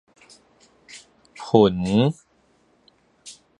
歕